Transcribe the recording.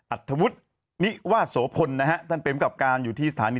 อัตธวุฒินิวาศโภนนะฮะท่านเตรียมกลับการอยู่ที่สถานี